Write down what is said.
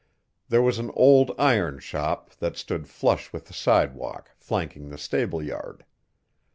There was an old iron shop, that stood flush with the sidewalk, flanking the stableyard.